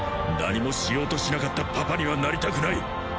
何もしようとしなかったパパにはなりたくない